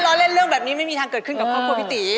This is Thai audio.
เราเล่นเรื่องแบบนี้ไม่มีทางเกิดขึ้นกับครอบครัวพี่ตี